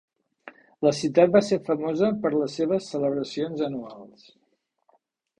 La ciutat va ser famosa per les seves celebracions anuals.